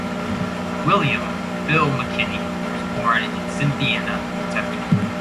William "Bill" McKinney was born in Cynthiana, Kentucky.